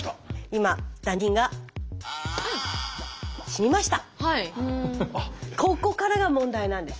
今ダニが死にました。